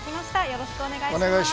よろしくお願いします。